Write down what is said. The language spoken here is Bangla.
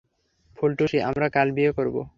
ফুলটুসি, আমরা কাল বিয়ে করবো!